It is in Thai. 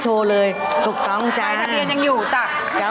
โชว์เลยถูกต้องจ้ะใบทะเยนยังอยู่จ้ะ